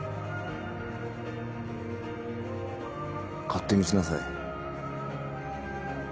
勝手にしなさい。